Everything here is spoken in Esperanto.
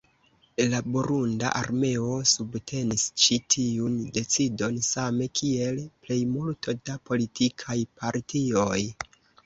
La burunda armeo subtenis ĉi tiun decidon, same kiel plejmulto da politikaj partioj.